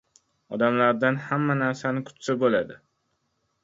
Odamlardan hamma narsani kutsa bo‘ladi